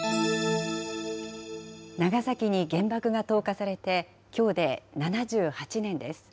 長崎に原爆が投下されてきょうで７８年です。